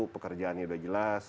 pekerjaannya sudah jelas